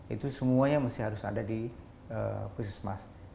itu semuanya harus ada di pusat semestinya